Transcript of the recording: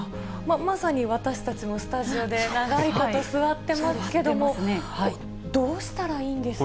まさに私たちもスタジオで長いこと座ってますけども、どうしたらいいんですか。